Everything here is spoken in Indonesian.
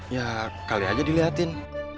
ya kali aja diliatin